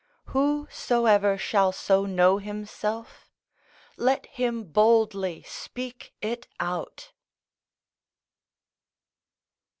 Whosoever shall so know himself, let him boldly speak it out.